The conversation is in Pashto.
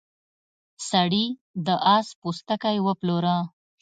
سړي د اس پوستکی وپلوره.